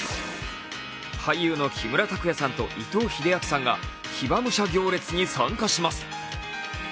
俳優の木村拓哉さんと伊藤英明さんが騎馬武者行列に参加します。